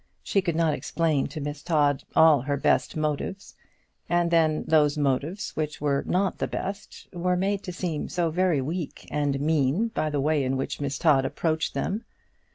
She could not explain to Miss Todd all her best motives; and then, those motives which were not the best were made to seem so very weak and mean by the way in which Miss Todd approached them.